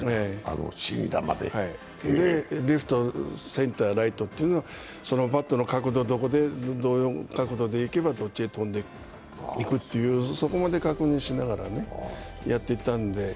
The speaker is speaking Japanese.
レフト、センター、ライトというのはそのバットの角度でどういう角度でいけばどっちへ飛んでいく、そこまで確認しながらやっていたので。